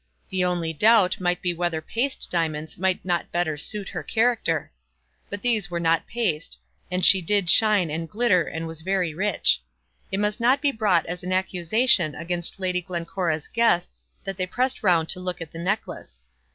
The only doubt might be whether paste diamonds might not better suit her character. But these were not paste, and she did shine and glitter and was very rich. It must not be brought as an accusation against Lady Glencora's guests that they pressed round to look at the necklace.